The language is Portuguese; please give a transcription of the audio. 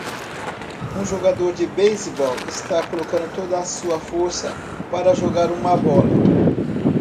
Um jogador de beisebol está colocando toda a sua força para jogar uma bola.